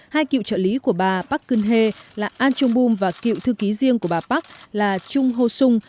hai cựu trợ lý của bà park geun hye là an chung bum và cựu thư ký riêng của bà park là chung ho sung